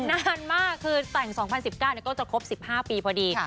นานมากคือแต่งสองพันสิบก้านก็จะครบสิบห้าปีพอดีค่ะ